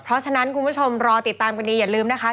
เพราะฉะนั้นคุณผู้ชมรอติดตามกันดีอย่าลืมนะคะ